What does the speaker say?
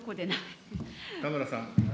田村さん。